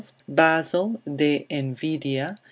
Basil, de Invidia.